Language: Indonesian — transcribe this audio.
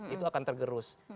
itu akan tergerus